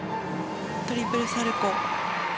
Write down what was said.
トリプルサルコウ。